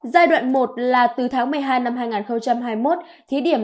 giai đoạn một là từ tháng một mươi hai năm hai nghìn hai mươi một